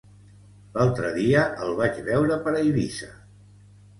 L'altre dia el vaig veure per Eivissa.